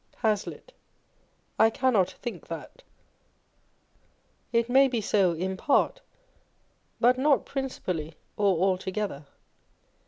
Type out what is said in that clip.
Hazlitt. I cannot think that. It may be so in part, but not principally or altogether.